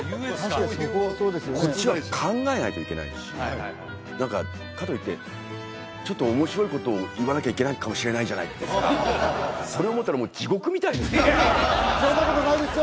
こっちは考えないといけないしかといってちょっと面白いことを言わなきゃいけないかもしれないじゃないですかそんなことないですよ！